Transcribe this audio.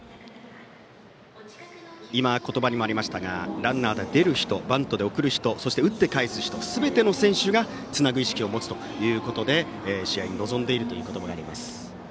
今、言葉にもありましたがランナーで出る人バントで送る人そして打ってかえす人すべての選手がつなぐ意識を持つということで試合に臨んでいるという言葉がありました。